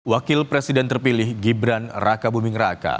wakil presiden terpilih gibran raka buming raka